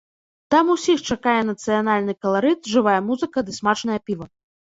Там усіх чакае нацыянальны каларыт, жывая музыка ды смачнае піва.